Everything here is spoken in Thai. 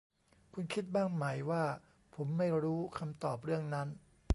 คุณคิดบ้างไหมว่าผมไม่รู้คำตอบเรื่องนั้น